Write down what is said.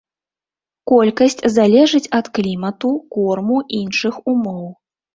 Колькасць залежыць ад клімату, корму, іншых умоў.